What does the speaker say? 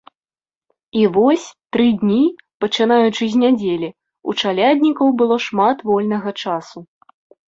І вось, тры дні, пачынаючы з нядзелі, у чаляднікаў было шмат вольнага часу.